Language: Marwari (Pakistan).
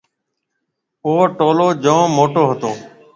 او ٽولون جوم موٽيَ ھتو۔